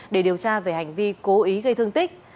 để điều tra về hành vi cố ý gây thương tích